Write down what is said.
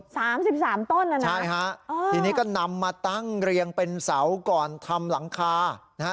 สามสิบสามต้นแล้วนะใช่ฮะอ๋อทีนี้ก็นำมาตั้งเรียงเป็นเสาก่อนทำหลังคานะฮะ